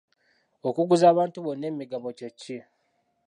Okuguza abantu bonna emigabo kye ki?